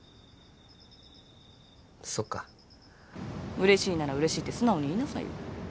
うれしいならうれしいって素直に言いなさいよ。